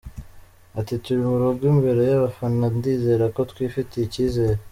Ati: “Turi mu rugo imbere y’abafana ndizera ko twifitiye icyizere”.